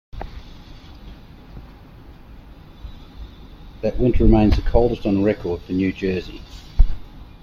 That winter remains the coldest on record for New Jersey.